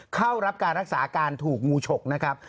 เข้ารับการรักษาการถูกงูฉกนะครับ